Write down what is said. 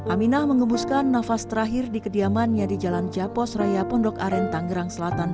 aminah mengembuskan nafas terakhir di kediamannya di jalan japos raya pondok aren tangerang selatan